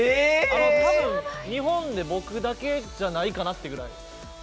たぶん、日本で僕だけじゃないかなってぐらい。